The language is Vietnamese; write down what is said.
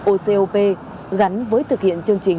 ocop gắn với thực hiện chương trình